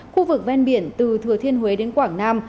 khu vực ven biển từ thừa thiên huế đến quảng nam